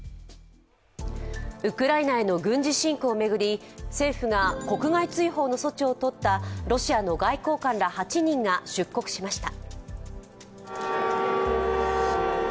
ウクライナへの軍事侵攻を巡り、政府が国外追放の措置を取ったロシアの外交官ら８人が出国しました。